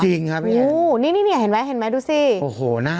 จริงครับโอ้โหนี่นี่เนี้ยเห็นไหมเห็นไหมดูสิโอ้โหหน้าสด